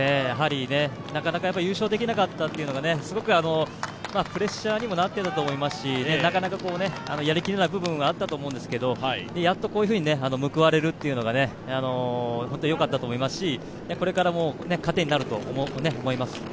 なかなか優勝できなかったというのが、すごくプレッシャーにもなっていたと思いますし、なかなかやりきれない部分があったと思うんですけどやっとこういうふうに報われるというのが本当によかったと思いますしこれからも糧になると思います。